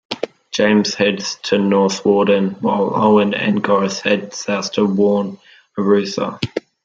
James heads to Northwarden while Owyn and Gorath head south to warn Arutha.